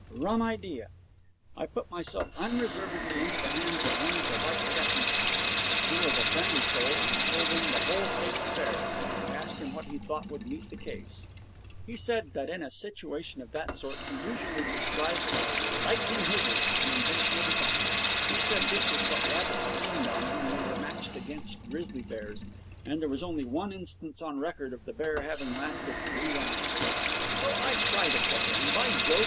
Rum idea! I put myself unreservedly into the hands of one of the white chappies. He was a friendly soul, and I told him the whole state of affairs. I asked him what he thought would meet the case. He said that in a situation of that sort he usually prescribed a 'lightning whizzer', an invention of his own. He said this was what rabbits trained on when they were matched against grizzly bears, and there was only one instance on record of the bear having lasted three rounds. So I tried a couple, and, by Jove!